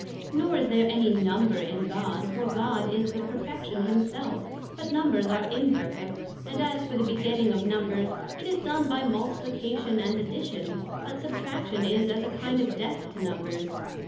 Nor is there any Number in God, for God is the perfection Himself; but Numbers are imperfect; and as for the begetting of numbers, it is done by Multiplication and Addition; but Substraction is as a kind of death to Numbers.